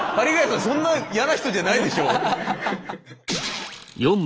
そんな嫌な人じゃないでしょ。